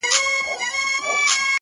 جالبه دا ده یار چي مخامخ جنجال ته ګورم!